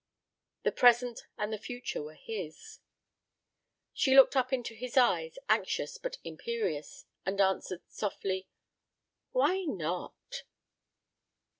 The present and the future were his. She looked up into his eyes, anxious but imperious, and answered softly: "Why not?"